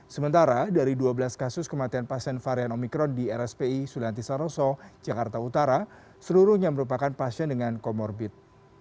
sementara dari dua belas kasus kematian pasien varian omikron di rspi sulianti saroso jakarta utara seluruhnya merupakan pasien dengan comorbid